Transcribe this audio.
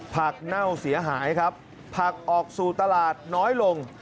เน่าเสียหายครับผักออกสู่ตลาดน้อยลง